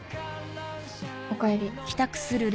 おかえり。